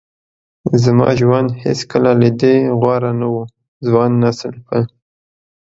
زما ژوند هیڅکله له دې غوره نه و. ځوان نسل په